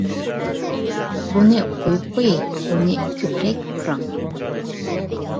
بۇنى قويۇپ قوياي، بۇنى كۆپرەك پۇراڭ.